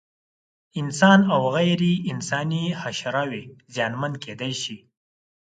انسان او غیر انساني حشراوې زیانمن کېدای شي.